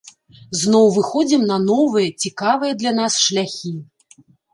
Зноў выходзім на новыя, цікавыя для нас шляхі.